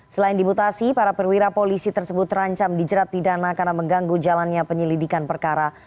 selain dimutasi para perwira polisi tersebut terancam dijerat pidana karena mengganggu jalannya penyelidikan perkara